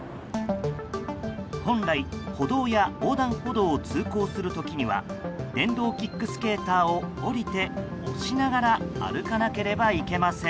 本来、歩道や横断歩道を通行する時には電動キックスケーターを降りて押しながら歩かなければいけません。